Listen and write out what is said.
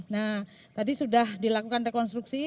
nah tadi sudah dilakukan rekonstruksi